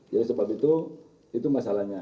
jadi sebab itu itu masalahnya